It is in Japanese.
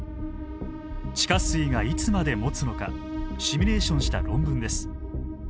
地下水がいつまでもつのかシミュレーションした論文です。